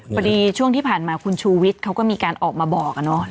ช่วงที่ผ่านมาคุณชูวิทย์เขาก็มีการออกมาบอกอะเนาะ